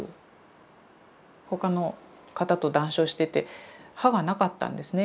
他の方と談笑してて歯がなかったんですね。